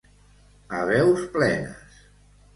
A veus plenes.